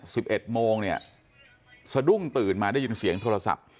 สิบเอ็ดโมงเนี่ยสะดุ้งตื่นมาได้ยินเสียงโทรศัพท์